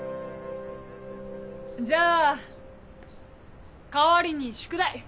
じゃあ代わりに宿題。